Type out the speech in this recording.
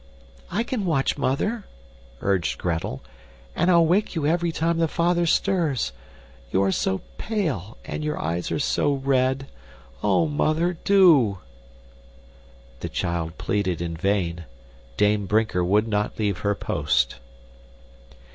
"I can watch, mother," urged Gretel, "and I'll wake you every time the father stirs. You are so pale, and your eyes are so red! Oh, mother, DO!" The child pleaded in vain. Dame Brinker would not leave her post.